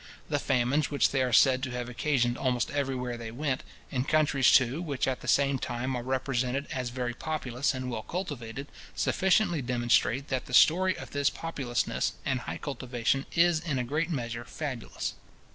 The famines which they are said to have occasioned almost wherever they went, in countries, too, which at the same time are represented as very populous and well cultivated, sufficiently demonstrate that the story of this populousness and high cultivation is in a great measure fabulous.